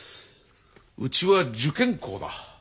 うちは受験校だ。